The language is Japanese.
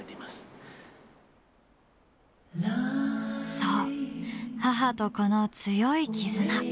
そう母と子の強い絆。